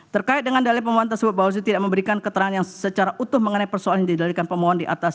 terkait dengan dalil pemohon tersebut bawaslu tidak memberikan keterangan yang secara utuh mengenai persoalan yang didalikan pemohon di atas